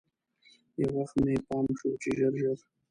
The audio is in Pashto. یو وخت مې پام شو چې ژر ژر.